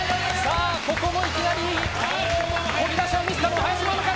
ここもいきなり飛び出しを見せたのは林ママか。